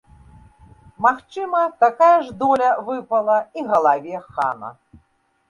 Магчыма, такая ж доля выпала і галаве хана.